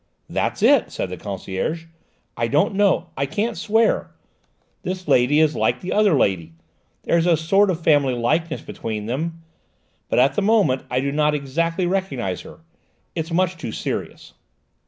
"That's it," said the concierge. "I don't know; I can't swear. This lady is like the other lady there's a sort of family likeness between them , but at the moment I do not exactly recognise her; it's much too serious!"